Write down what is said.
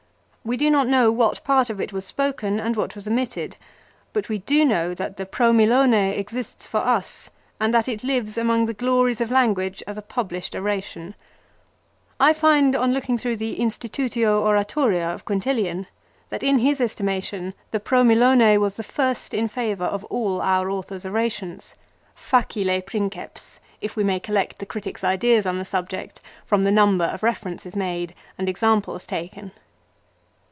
We do not know what part of it was spoken and what was omitted ; but we do know that the " Pro Milone " exists for us, and that it lives among the glories of language as a published oration. I find on look ing through the Institutio Oratoria of Quintilian that in his 1 Livy, Epitome, 107. " Absens et solus quod nulli alii uinquam contigit." MILO. 67 estimation the " Pro Milone " was the first in favour of all our author's orations, " facile princeps," if we may collect the critic's ideas on the subject from the number of references made and examples taken.